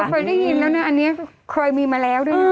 เคยได้ยินแล้วนะอันนี้เคยมีมาแล้วด้วยนะ